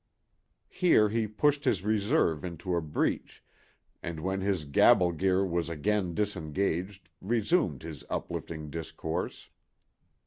Here he pushed his reserve into the breach and when his gabble gear was again disengaged resumed his uplifting discourse.